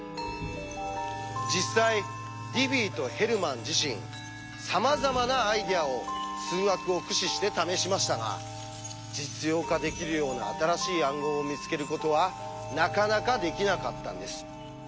実際ディフィーとヘルマン自身さまざまなアイデアを数学を駆使して試しましたが実用化できるような新しい暗号を見つけることはなかなかできなかったんです。